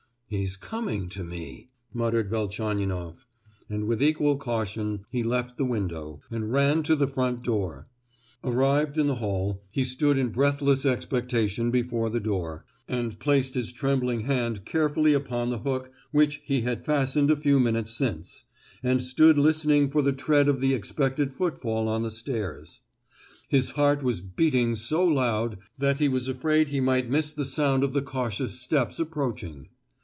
"He's coming to me," muttered Velchaninoff, and with equal caution he left the window, and ran to the front door; arrived in the hall, he stood in breathless expectation before the door, and placed his trembling hand carefully upon the hook which he had fastened a few minutes since, and stood listening for the tread of the expected footfall on the stairs. His heart was beating so loud that he was afraid he might miss the sound of the cautious steps approaching.